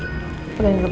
aku yang pegang